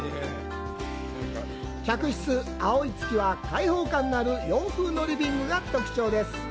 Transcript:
客室「青い月」は、開放感のある洋風のリビングが特徴です。